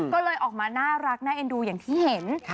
ก็เลยออกมาน่ารักน่าเอ็นดูอย่างที่เห็น